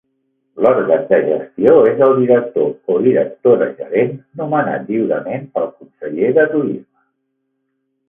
L'òrgan de gestió és el director o directora gerent, nomenat lliurement pel Conseller de Turisme.